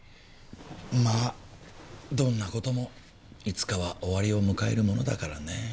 まあどんな事もいつかは終わりを迎えるものだからね。